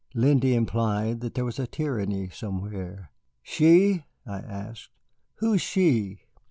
Lindy implied that there was tyranny somewhere. "She?" I asked, "who's she?"